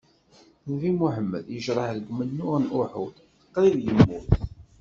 Nnbi Muḥemmed yejreḥ deg umennuɣ n Uḥud, qrib yemmut.